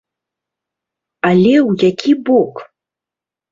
Але ў які бок?